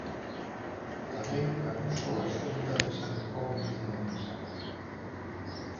Tamén acusou a Xunta de ser cómplice necesaria.